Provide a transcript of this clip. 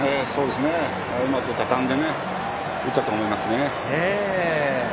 うまくたたんで打ったと思いますね。